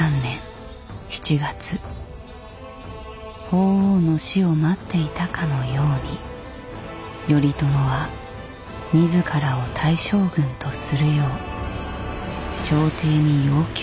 法皇の死を待っていたかのように頼朝は自らを大将軍とするよう朝廷に要求する。